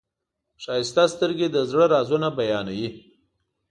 ښایسته سترګې د زړه رازونه بیانوي.